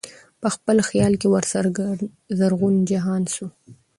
په خپل خیال کي ورڅرګند زرغون جهان سو